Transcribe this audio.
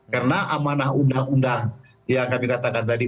karena amanah undang undang yang kami katakan tadi